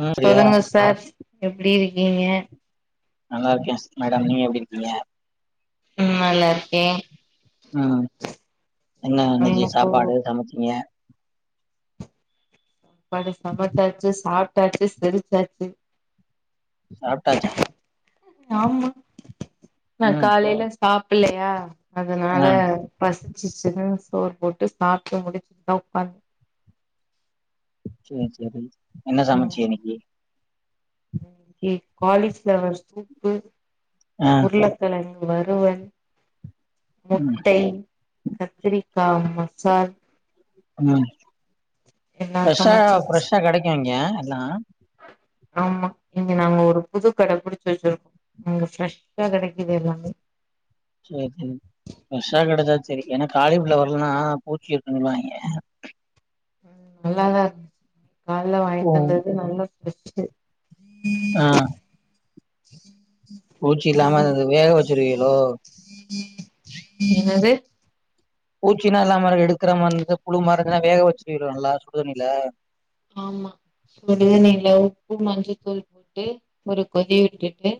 ம் சரியா சொல்லுங்க சார் எப்டி இருக் நீங்க நல்லா இருக்க மேடம் நீங்க எப்டி இருக்கீங்க ம் நல்லா இருக்கே ம் என்ன அன்னிக்கு எனக்கு சாப்பாடு சமைச்சிங்க சாப்பாடு சமச்சாச்சு சாப் சாப்டாச்சு செருச்சாச்சு சாப்டாச்சா ஆமா நா ம் காலைல சாப் புல்லையா அதனால ஆ பசிச்சுச்சுன்னு சோறு போட்டு சாப்ட்டு முடிச்சுட்டுதா உக்காந்த சேர் சேரி என்ன சமச்ச இன்னிக்கு இன்னிக்கு காலி பிளவர் சூப்பு ஆ உருளக்கெழங்கு வருவள் ம் முட்டை கத்திரி ஆமா சார் ம் ஃப்ரெஷ்ஷா சமச்சாச்சு ஃப்ரெஷ்ஷா கெடைக்கு இங்க எல்லா ஆமா இங்க நாங்க ஒரு புது கட புடுச்சு வெச்சுருக்கோ அங்க ஃப்ரெஷ்ஷா கெடைக்குது எல்லாமே சேரி ஃப்ரெஷ்ஷா கெடச்சா சேரி ஏன்னா காளி பிளவர் எல்லன்னா பூச்சி இருக்குன்னு வாங்கே ம் நல்லாதா இருந்துச்சு கால்ல வாங்கிட்டு ம் வந்து [unintelligible] நல்லஸ் [inaudible] ஆ [inaudible] பூச்சி இல்லாம வேக வெச்சுருவீலோ என்னது பூச்சின்னா எல்லா மேல இருக்குற எடுக்குற மாரிந்தா புழு மாரிதான வேக வெச்சுட்டு [unintelligible] சுடுதண்ணில ஆமா சுடு தண்ணீல உப்பு மஞ்சள்த்தூள் போட்டு ஒரு கொதி விட்டுட்டு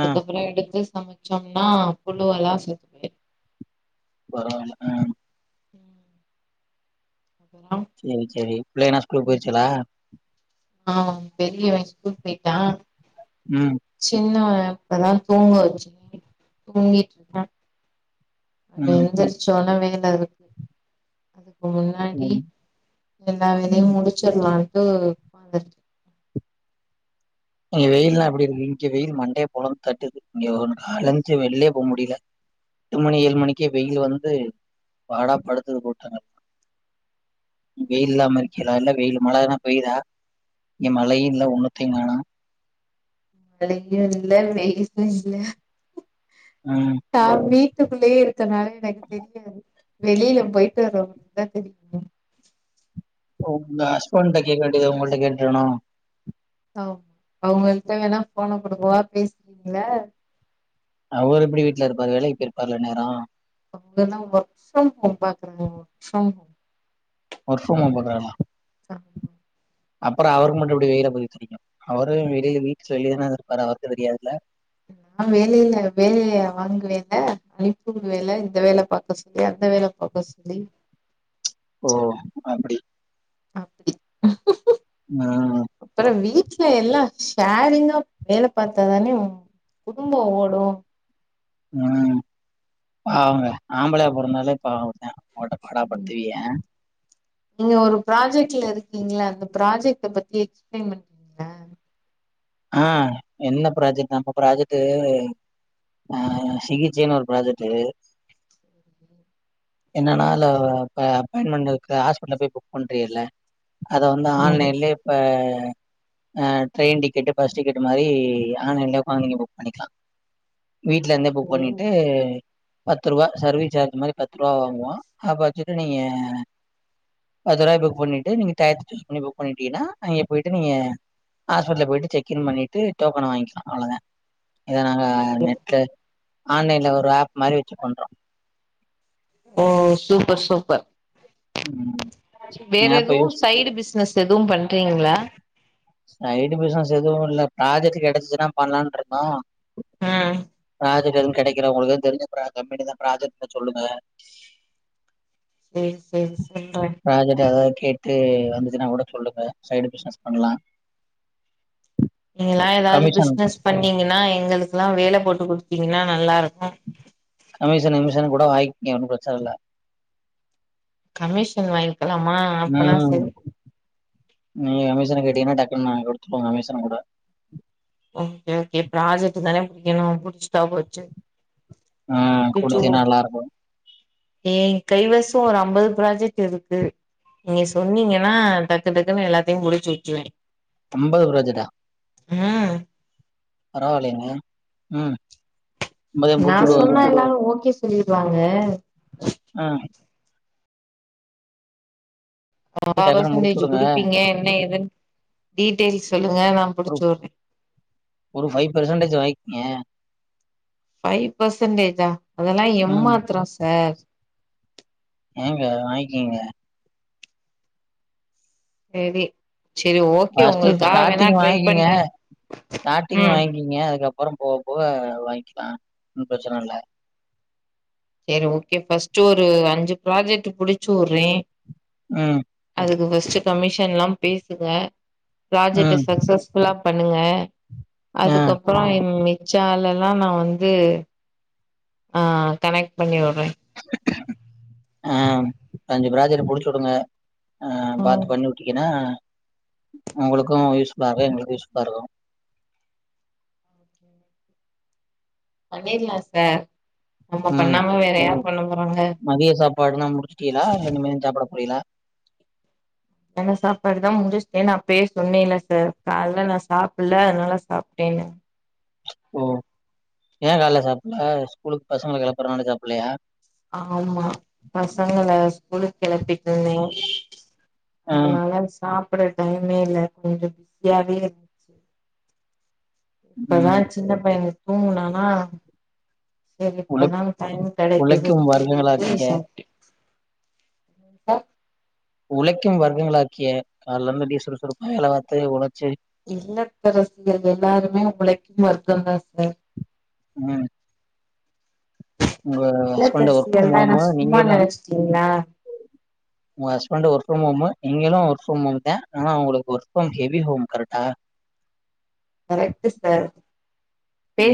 ஆ எடுத்து சமச்சோ ன்னா புழுவெல்லா செத் துவே பரவால்ல அ ம் சேரி சேரி புள்ளைங்கனா ஸ்கூல்லுக்கு போயிருச்சுகளா ஆம் பெரியவ ஸ்கூல் போயிட்டா ம் சின்னவ அப்பதா தூங்க வெச்சே தூங்கிட்ருக்கா அவ ம் எந்திரிச்சொனவே எல்லா இருக்கு அது முன்னாடி ம். எல்லா வேலையு முடுச்சுர்லான் அப்போ ஃபாதர் அங்க வெயில்லா எப்டி இருக்கு இங்க வெயில் மண்டைய பொழந்து தட்டுது இங்க ஒன்னு கால்ல ஏஞ்சு வெளியப் போ முடியில எட்டு மணி ஏழு மணிக்கே வெயில் வந்து பாடா படுத்துது போட்டுங்க வெயில் இல்லாம இருக்கிலா இல்ல வெயிலு மழ எதுன்னா பெய்தா இங்க மழையு இல்ல ஒண்ணுத்தையுங் காணோ மழையு இல்ல வெயிலு இல்ல ம். டாப்பி துக் குள்ளயே இருக் இத்தன் நாளா எனக்கு தெரியாது வெளியில போயிட்டு வறவங்களுக்குதா தெரியுமே அப்போ உங்க ஹஸ்பண்ட்ட கேக்க வேண்டியத உங்கள்ட்ட கேட்டேனோ ஓ அவுங்க கிட்ட வேணா ஃபோன குடுக்குவா பேசுறீங்களா அவர் எப்டி வீட்ல இருப்பாரு வேலைக்கு போயிருப்பாருல இந்நேரோ அவுங்கல்லா ஒர்க் ஃப்ரம் ஹோம் பாக்குறாங்க work from home work from home பண்றாங்கலா ஆஹ் அப்புறம் அவுருக்கு மட்டும் இப்படி வெயில பத்தி தெரியும் அவுரும் வெளியில வீட்டுல வெளியேதானே இரு இருப்பாரு அவருக்கு தெரியாதுல்ல நான் வேலையில வேலைய வாங்குவேன்ல அனுப்புவேன்ல இந்த வேலை பாார்க்க சொல்லி அந்த வேலை பார்க்க சொல்லி ஓ அப்படி அப்படி ஆஹ் எல்லாம் ஷேர்ரிங்கா வேலை பார்த்தாதானே குடும்பம் ஓடும் உம் பாவங்க ஆம்பளையா பொறந்தாலே பாவம் தான் போட்டு பாடா படுத்துவிக நீங்க ஒரு ப்ராஜெக்ட்ல இருக்கீங்களா அந்த ப்ராஜெக்ட பத்தி எக்ஸ்பிளைன் பண்றீங்கள ஆஹ் என்ன ப்ராஜெக்ட் நம்ம ப்ராஜெக்ட் அஹ் சிகிச்சைன்னு ஒரு ப்ராஜெக்ட் என்னன்னா அதுல அப்பாயின்மெண்ட் ஹாஸ்பிடல் போய் புக் பண்றில்ல அத வந்து ஆன்லைன்லயே இப்ப ஆ ட்ரெயின் டிக்கெட்டு பஸ் டிக்கெட் மாதிரி ஆன்லைன்லே உட்காந்து நீங்க புக் பண்ணிக்கலாம் வீட்ல இருந்தே புக் பண்ணிட்டு பத்து ரூபா சர்வீஸ் சார்ஜ் மாதிரி பத்து ரூபா வாங்குவான் வச்சிட்டு நீங்க பத்து ரூபாய்க்புக் பண்ணிட்டு பண்ணீங்கன்னா அங்க போயிட்டு நீங்க ஹாஸ்பிடல போயிட்டு செக் புக் பண்ணிட்டு டோக்கன வாங்கிக்கலாம் அவ்வளோ தான் இத நாங்க நெட்ல ஆன்லைன்ல ஒரு ஆப் மாதிரி வச்சு பண்றோம் ஓ சூப்பர் சூப்பர் வேற ஏன்னா இப்ப எதுவும் யூஸ் சைடு பிசினசு அதுவும் பண்ண இருக்கிங்களா சைடு பிசினஸ் எதுவும் இல்ல ப்ராஜெக்ட் கிடைச்சதுனா பண்ணலாம்னு இருக்கோம் ம்ம் ப்ரஜெக்ட் எதுவும் கிடைக்கல உங்களுக்கு தெரிஞ்ச கம்பெனில ப்ராஜெக்ட் இருந்தா சொல்லுங்க சேரி சேரி சேரி சொல்ரேன் ப்ராஜெக்ட் எதாவது கேட்டு வந்துச்சுன்னா கூட சொல்லுங்க சைடு பிசினஸ் பண்ணலாம் நீங்களாம் ஏதாவது கமிஷன் பிசினஸ் பண்ணீங்கன்னா எங்களுக்கு எங்களுக்குலாம் வேலை போட்டு குடுத்தீங்கன்னா நல்லா இருக்கும் கமிஷன் அமிஷன் கூட வாங்கிக்கங்க ஒன்னும் பிரச்சனை இல்ல கமிஷன் வாங் நா நா கமிசனுக்கு ‌வி த்தீனா டக்குன் நா எடுத்துப்போ கமிசன் கூட ஓகே ஓகே ப்ராஜெக்ட தானே புடிக்கணு புடிச்சுட்டா போச்சு ஆ குடுத்தீனா நல்லாருக்கு ஏ கைவச ஒரு அம்பது ப்ராஜெக்ட் இருக்கு நீங்க சொன்னீங்கனா டக்கு டக்குன்னு எல்லாத்தையு முடுச்சு வச்சுவே அம்பது ப்ராஜெட்டா ம் பரவால்லயேங்க ம் அம்பதையு நா முடிச்சு சொன்னா வுடுவாங்க எல்லாரு ஓகே சொல்லிருவாங்க ஆ ஆ டக்குன்னு முடிச்சு பர்சன்டேஜ் வுடுங்க குடுப்பீங்க என்ன எதுன் டீடெய்ல்ஸ் சொல்லு ஒரு ஒரு ஃபைவ் பெர்சன்டேஜு வாய்கங்க ஃபை பர்சன்டேஜா அதெல்லா ம். எம்மாத்ரொ சார் ஏங்க வாய்ங்கங்க சேரி ஃபஸ்ட்டு ஸ்டார்டிங் வாங்கிங்க பண்றே ஸ்டார்டிங் ம் வாங்கிங்க அதுக்கப் அப்பறம் போக போக வாங்கிக்கலா ஒன்னு பிரச்சன இல்ல செரி ஓகே ஃபர்ஸ்ட்டு ஒரு அஞ்சு ப்ராஜெக்ட்டு புடுச்சு வுர்றே ம் அதுக்கு ஃபஸ்ட்டு கமிஷன்லா பேசுங்க ப்ராஜெக்ட்ட ம். சக்சஸ்ஃபுல்லா பண்ணுங்க ஆ, அதுக்கப்புறோ இன்மே சேலல்லா நா வந்து ஆ கனெக்ட் பண்ணிவுட்றே ஆ அஞ்சு ப்ராஜெக்ட்டு புடுச்சுவுடுங்க ஆ ம் பாத்து பண்ணி வுட்டிக்கன்னா உங்களுக்கு யூ ஸ்ஃபுல்லா இருக்கு எங்களுக்கு யூஸ் ஃபுல்லா இருக்கு பண்ணிட்லா சார் நம்ம ம் பண்ணாம வேற யார் பண்ண போறாங்க மதிய சாப்பாடுனா முடுச்சிட்டியலா இல்ல இனிமேதா சாப்புட போறியலா ய சாப்பாடுதா முடுச்ட்டேனு அப்பவே சொன்னேல சார் கால்ல நா சாப்புல்ல அதுனால சாப்டேனு ஓ ஏ கால்ல சாப்புல்ல ஸ்கூலுக்கு பசங்க கெளபுறனால சாப்புல்லையா ஆமா பசங்கள ஸ்கூலுக்கு கெளப்பிட்டு இருந்தே ஆ, அதனால சாப் பட் எனக் டைமே இல்ல கொஞ்சோ பிஸியாவே இருந்துச்சு இப்பதா ம். சின்ன பையன் தூங்னானா செரி உழைப் இப்பதா டைம் உழைக்கும் கெடைக்குதுன்னு சொல்லிட்டு வர்க்கங்களாக்கிய சாப்ட உழைக்கும் வர்க்கங்களாக்கிய கால்லருந்து அப்டியே சுறுசுறுப்பா வேல பாத்து ஒழச்சி இல்லத்தரசிகள் எல்லாருமே உழைக்கும் வர்க்கம் தா சார் ம் உங்க ஹஸ்பண்டு ஒர்க் இல்லத்தரசிகள்னா என்ன பண்ணுவாம சும்மா நீங்கெல்லா நெனச்சிட்டீங்ளா உங்க ஹஸ்பண்டு ஒர்க் [unintelligible] இங்க தா ஒர்க் ஃப்ரம் ஹோம் த ஆனா அவுங்ளுக்கு ஒர்க் ஃப்ரம் ஹெவி ஹோம் கரெக்டா கரெக்ட்டு சார்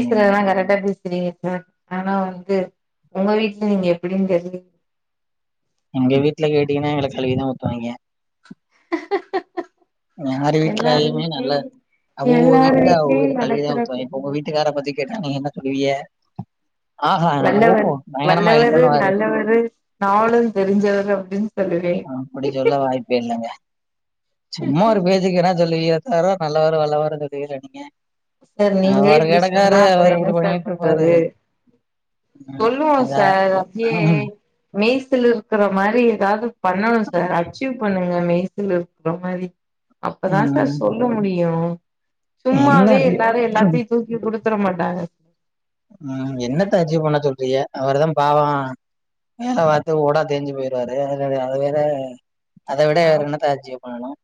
ம். கரெக்டா பேசு செரிங்க சார் ஆனா வந்து உங்க வீட்ல நீங்க எப்டின்னு தெரிலிங் எங்க வீட்ல கேட்டீங்கனா எங்கள கழவி தா ஊத்துவாங்கே யாரு எல்லார் வீட்லயுமே நல்ல வீட்லயு அவ்வோவ்வோ எல்லார் வீட்ல அவ்வோவ்வோ வீட்லயு எல்ல கலுவி தா நடக்கற ஊத்வாங்கே இப்ப உங்க கூத்துதா வீட்டுக்கார பத்தி கேட்டா நீ என்ன சொல்லுவிய வல்லவரு வல்லவரு பண்ணுவாரு. நல்லவரு நாளும் தெரிஞ்சவரு அப்டின் சொல்லுவே ஆ அப்படி சொல்ல வாய்ப்பே இல்லங்க சும்மா ஒரு பேச்சிக்குனா சொல்லுவீக சாருதா நல்லாவரு வல்லாவருனு நேத்து நீங்க சொன்னீங்க சார் நீங்ளே இப்டி சொன்னா அப்பற அவரு என்ன இப்படி சார் பண்ணிட்டு இருப்பாரு. பண்றது ம். சொல்லுங்க அதா சார் அப்டியே மெய் சிலிர்க்குற மாரி ஏதாது பண்ணணு சார் அச்சீவ் பண்ணுங்க மெய் த்துல இருக்கற மாரி அப்ப தா ம். சார் சொல்ல முடியு என்ன சும்மாவு எப்பயு எல்லாமே அச்சீவ் எல்லாத்தியும் தூக்கி குடுத்துற மாட்டாங்க உஹம் என்னத்த அச்சீவ் பண்ண சொல்றிய அவர் தான் பாவம் வேலை பார்த்து ஓடா தெஞ்சு போய்டுவாரு அது வேற அதை விட வேற ஆமா என்னத்த அச்சுவ் பண்ணணும்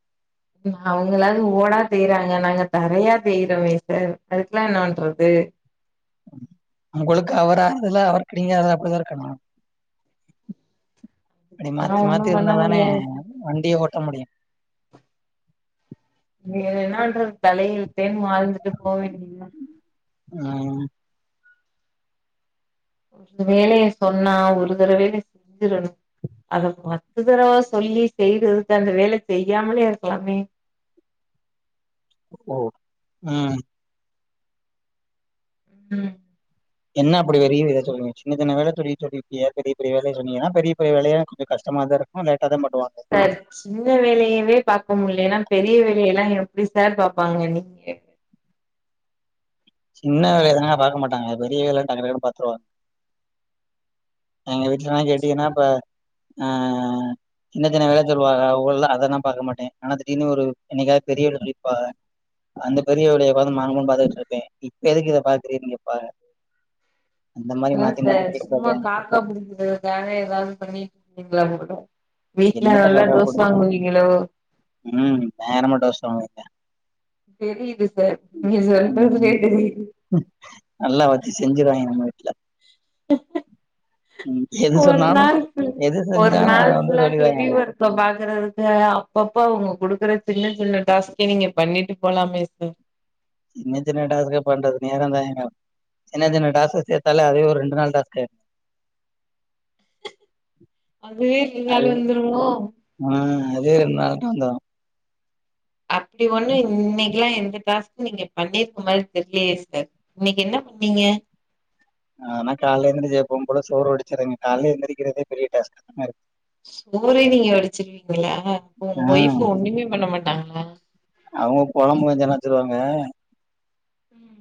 அவங்களாவது ஓடா தெய்யறாங்க நாங்க தரையா தெயறோமே சார் அதுக்கெல்லாம் என்ன பண்றது உங்களுக்கு அவர் ஆறுதல் அவருக்கு நீங்க ஆறுதல்ல அப்படிதான் இருக்கணும் அப்படி அதெல்லா மாத்தி ஒண்ணு மாத்தி பண்ண இருந்தாதானே முடியாது வண்டியவோட்ட பண்ண முடியும் வேற என்ன பண்றது தலையில்த்தேன் வாழ்ந்துட்டு போக வேண்டியதுதான் ஆஹ் ஒரு வேலைய சொன்னா ஒரு தடவ யில்லே வேலை செஞ்சிடணும் அத பத்து தடவா சொல்லி செய்யறதுக்கு அந்த வேலை செய்யாமலே இருக்கலாமே ஓ உம் உம் என்ன அப்படி வெறிய ஏத்த சொல் சின்ன சின்ன வேலையா சொல்லி இருப்பீங்க பெரிய பெரிய வேலை சொன்னீங்கன்னா பெரிய பெரிய வேலைய கொஞ்சம் கஷ்டமா தான் இருக்கும் சார் சின்ன வேலையவே பார்க்க முடியலேன்னா பெரிய வேலையெல்லாம் எப்படி சார் பாப்பாங்க நீங்க சின்ன வேலையான பார்க்க மாட்டாங்க பெரிய வேலைய டக்கு டக்குன்னு பாத்துருவாங்க எங்க வீட்டுலல்லாம் கேட்டீங்கன்னா இப்ப ஆஹ் சின்ன சின்ன வேலை சொல்லுவாங்க அவங்கல்லாம் அதல்லான் பாார்க்க மாட்டேன் ஆனா திடீனு ஒரு என்னைக்காவது பெரியவ சொல்லிப்பாங்க அந்த பெரிய வேலைய உட்கார்ந்து மங்கன்னு பார்த்துக்கிட்டு இருக்கேன் இப்ப எதுக்கு இதை பாக்குறீங்கனு கேட்பாங்க ஆமா சார் சும்மா காக்கா புடிக்கிறதுக்காக எதாவது பண்ணி நீங்களா கூட என்னத்த காக்கா போடு உம் பயங்கரமா டோஸ் தான் வாங்கி இருக்கேன் தெரியுது சார் நீங்க ம் சொல்றதிலேயே தெரியுது ல்ல ஒரு சொன்னாலு நாள் எது ஒரு செஞ்சாலு அத நாள் வந்து ஃபுல்லா ஹெவி சொல்லிருவாய்ங்கங்க ஒர்க்கபாக்குறது அப்பப்ப அவங்க குடுக்குற சின்ன சின்ன டாஸ்க்கே நீங்க பண்ணிட்டு போலாமே சார் சின்ன சின்ன டாஸ்க்க பண்றது நேரம் தான் எங்க சின்ன சின்ன டாஸ்க சேர்த்தாலே அதே ஒரு ரெண்டு நாள் டாஸ்க் ஆயிடுது அதுவே ரெண்டு அது நாள் வந்துருமோ ஆஹ் அதே ரெண்டு நாள் தான் வந்துரும் அப்படி ஒண்ணும் இன்னைக்குல்லாம் எந்த டாஸ்க் நீங்க பண்ணிருக்க மாதிரி தெரியலையே சிஸ்டர் இன்னைக்கு என்ன பண்ணீங்க ஆனா காலைல எழுந்து எப்போவும் போல சோறு வடிச்சறேங்க கால எழுந்திரிக்கிறதே பெரிய டாஸ்க் இருக்கு சோரே நீங்க வடிச்சிருவீங்களா இப்ப ஆ உங்க ஒயஃப் ஒண்ணுமே பண்ண மாட்டாங்களா அவங்க குழம்பு கொஞ்சம் வச்சருவாங்க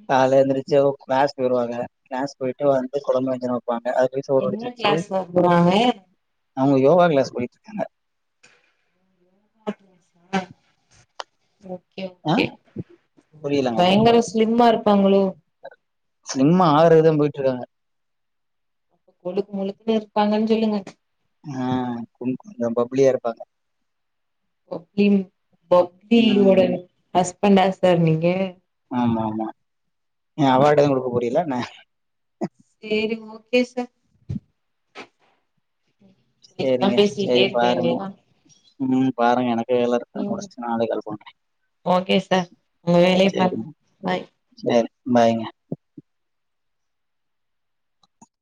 கால எழுந்திரிச்சு கிளாஸ் போயடுவாங்க கிளாஸ் போயிட்டு வந்து குழம்பு வைக்கணும் என்ன கிளாஸ் போபோறாங்க அவங்க யோகா கிளாஸ் போயிட்டு இருக்காங்க கே ஆ ஓகே புரியலங்க பயங்கரஸ் ஸ்லிம்மா இருப்பாங்களோ சிலிம்மா ஆறுதா போயிட்டு இருக்காங்க கொழுக்கு முழுக்குனு இருப்பாங்கன்னு சொல்லுங்க ம் கொஞ்ச பப்ளியா இருப்பாங்க ஓப்லி ஒப்பி ஓட ம் பேஸ் பண்டாஸ்தர் நீங்கெ ம் ஆமா ஆ அவார்டு எதுவு குடுக்க போரியலான்ன சேரி ஓகே சேர் சேரிங்க பேசிட்டே சேரி இருக்க பாருங்க ம் பாருங்க எனக் மியு ஓகே சார் உங்க வேலய பாருங்க சரிங்க பாய் சரி பாய்ங்க